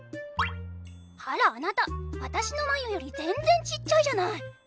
あらあなた私のまゆより全然ちっちゃいじゃない。